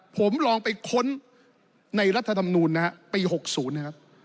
ผมลองไปค้นในรัฐธรรมนูญนะครับปีหกศูนย์นะครับ